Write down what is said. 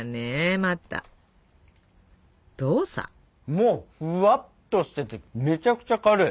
もうふわっとしててめちゃくちゃ軽い。